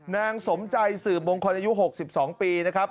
นางสมใจสืบมงคลอายุ๖๒ปีนะครับ